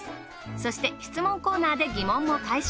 そして質問コーナーで疑問も解消！